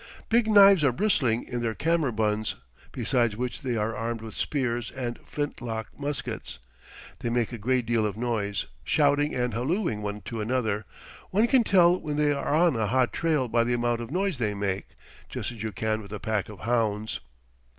Big knives are bristling in their kammerbunds, besides which they are armed with spears and flint lock muskets. They make a great deal of noise, shouting and hallooing one to another; one can tell when they are on a hot trail by the amount of noise they make, just as you can with a pack of hounds.